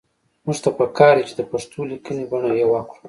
موږ ته پکار دي چې د پښتو لیکنۍ بڼه يوه کړو